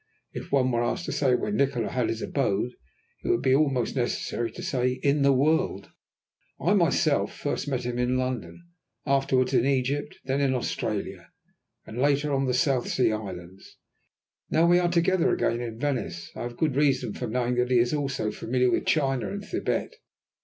"If one were asked to say where Nikola had his abode it would be almost necessary to say 'in the world.' I myself met him first in London, afterwards in Egypt, then in Australia, and later on in the South Sea Islands. Now we are together again in Venice. I have good reason for knowing that he is also familiar with China and Thibet.